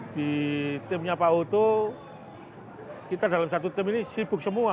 di timnya pak oto kita dalam satu tim ini sibuk semua